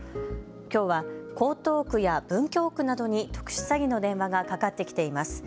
きょうは江東区や文京区などに特殊詐欺の電話がかかってきています。